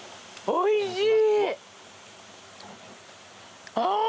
おいしい！